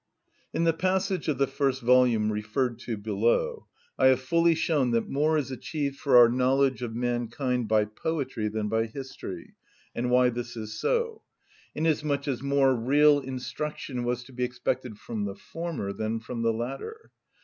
In the passage of the first volume referred to below I have fully shown that more is achieved for our knowledge of mankind by poetry than by history, and why this is so; inasmuch as more real instruction was to be expected from the former than from the latter.